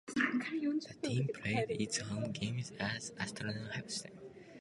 The team played its home games at the Astrodome in Houston.